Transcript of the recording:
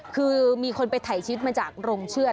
คือมีคนไปถ่ายชีวิตมาจากโรงเชือด